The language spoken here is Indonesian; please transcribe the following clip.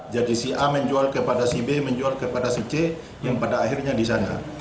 jadi si a menjual kepada si b menjual kepada si c yang pada akhirnya di sana